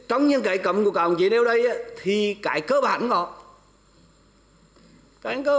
trong những cái cấm của cả ông chế đeo đây thì cái cơ bản có